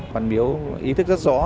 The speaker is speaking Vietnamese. văn miếu ý thức rất rõ